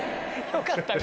よかった。